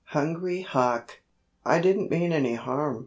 HUNGRY HAWK "I didn't mean any harm.